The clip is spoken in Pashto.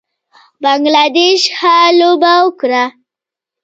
بنګله دېش ښه لوبه وکړه